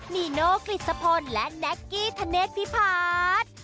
นีโน่กริสพลและแน็กกี้ธเนสภิพาส